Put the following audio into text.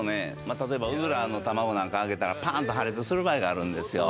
例えばうずらの卵なんか揚げたらパーンと破裂する場合があるんですよ。